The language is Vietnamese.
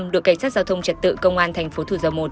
đội cảnh sát giao thông trật tự công an tp thủ dầu một